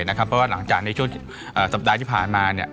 เพราะว่าหลังจากในช่วงสัปดาห์ที่ผ่านมา